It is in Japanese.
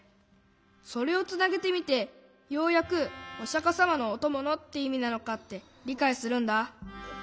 それをつなげてみてようやく「おしゃかさまのおともの」っていみなのかってりかいするんだ。